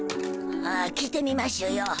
ああ聞いてみましゅよ。